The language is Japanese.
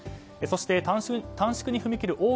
そして短縮に踏み切る